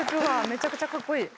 めちゃくちゃかっこいい！